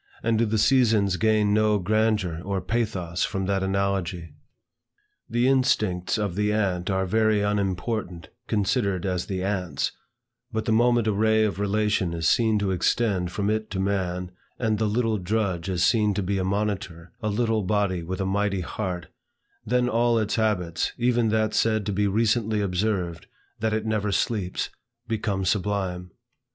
And do the seasons gain no grandeur or pathos from that analogy? The instincts of the ant are very unimportant, considered as the ant's; but the moment a ray of relation is seen to extend from it to man, and the little drudge is seen to be a monitor, a little body with a mighty heart, then all its habits, even that said to be recently observed, that it never sleeps, become sublime.